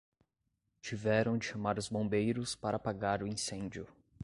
Tiveram de chamar os bombeiros para apagar o incêndio